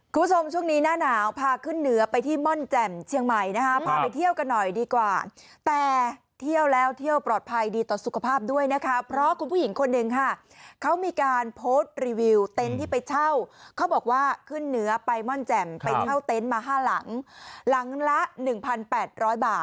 คุณผู้ชมช่วงนี้หน้าหนาวพาขึ้นเหนือไปที่ม่อนแจ่มเชียงใหม่นะคะพาไปเที่ยวกันหน่อยดีกว่าแต่เที่ยวแล้วเที่ยวปลอดภัยดีต่อสุขภาพด้วยนะคะเพราะคุณผู้หญิงคนหนึ่งค่ะเขามีการโพสต์รีวิวเต็นต์ที่ไปเช่าเขาบอกว่าขึ้นเหนือไปม่อนแจ่มไปเช่าเต็นต์มาห้าหลังหลังละหนึ่งพันแปดร้อยบาท